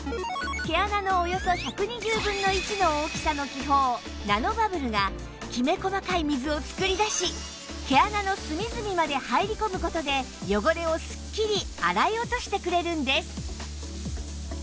毛穴のおよそ１２０分の１の大きさの気泡ナノバブルがきめ細かい水を作り出し毛穴の隅々まで入り込む事で汚れをすっきり洗い落としてくれるんです